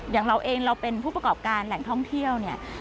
อย่างเราเองเราเป็นผู้ประกอบการแหล่งท่องเที่ยวเนี่ย